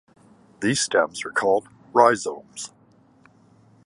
These stems are called rhizomes.